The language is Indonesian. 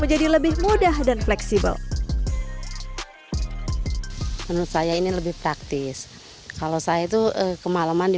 menjadi lebih mudah dan fleksibel menurut saya ini lebih praktis kalau saya itu kemalaman di